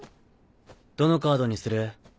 どのカードにする？